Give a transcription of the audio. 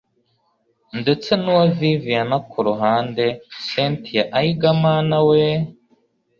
ndetse nuwa viviana kuruhande! cyntia ayiga mana weee